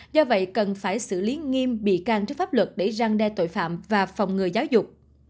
do vậy cần phải xử lý nghiêm bị can trước pháp luật để răng đe tội phạm và phòng ngừa giáo dục